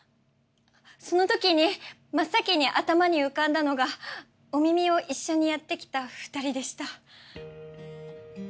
そのときに真っ先に頭に浮かんだのが「お耳」を一緒にやってきた２人でした。